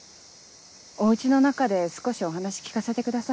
お家の中で少しお話聞かせてください。